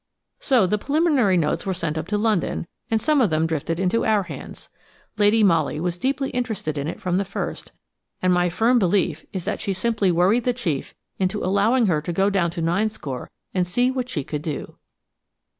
So the preliminary notes were sent up to London, and some of them drifted into our hands. Lady Molly was deeply interested in it from the first, and my firm belief is that she simply worried the chief into allowing her to go down to Ninescore and see what she could do.